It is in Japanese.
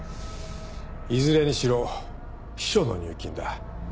いずれにしろ秘書の入金だ。